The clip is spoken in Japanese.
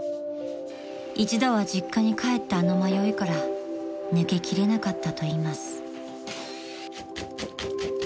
［一度は実家に帰ったあの迷いから抜け切れなかったといいます］